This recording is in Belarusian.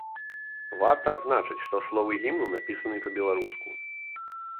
Варта адзначыць, што словы гімну напісаны па-беларуску.